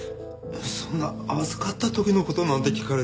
そんな預かった時の事なんて聞かれても。